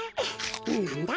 なんだ？